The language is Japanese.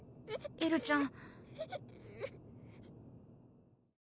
エルちゃん